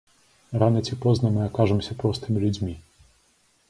Рана ці позна мы акажамся простымі людзьмі.